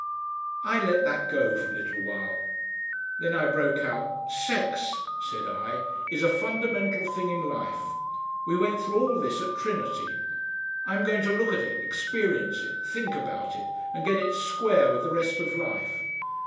I let that go for a little while. Then I broke out. "Sex!" said I, "is a fundamental thing in life. We went through all this at Trinity. I'm going to look at it, experience it, think about it and get it square with the rest of life.